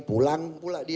pulang pula dia